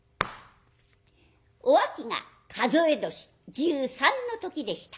お秋が数え年１３の時でした。